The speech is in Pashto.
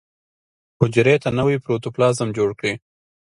حجرې ته نوی پروتوپلازم جوړ کړي.